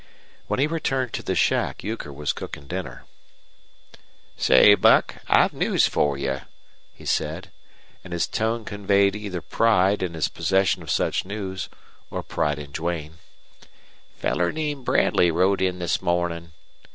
When he returned to the shack Euchre was cooking dinner. "Say, Buck, I've news for you," he said; and his tone conveyed either pride in his possession of such news or pride in Duane. "Feller named Bradley rode in this mornin'.